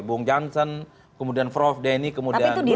bung johnson kemudian ferov dany kemudian gus coe